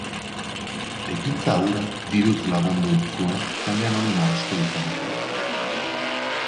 Ekintza hura diruz lagundu zuen jende anonimo asko izan zen.